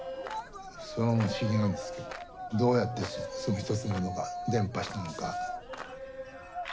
それが不思議なんですけどどうやってその一つなのか伝ぱしたのか。